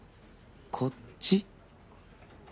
こっち？